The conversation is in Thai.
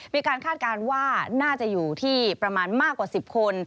คาดการณ์ว่าน่าจะอยู่ที่ประมาณมากกว่า๑๐คน